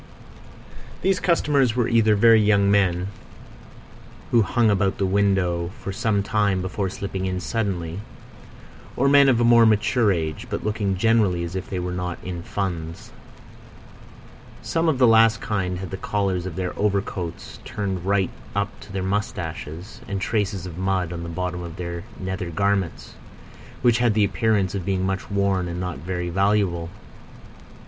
These customers were either very young men, who hung about the window for a time before slipping in suddenly; or men of a more mature age, but looking generally as if they were not in funds. Some of that last kind had the collars of their overcoats turned right up to their moustaches, and traces of mud on the bottom of their nether garments, which had the appearance of being much worn and not very valuable.